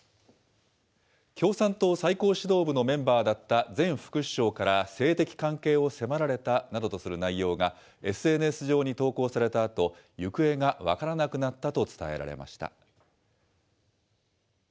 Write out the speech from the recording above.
共産党最高指導部のメンバーだった前副首相から、性的関係を迫られたなどとする内容が、ＳＮＳ上に投稿されたあと、行方が分からなくなったと伝えられました。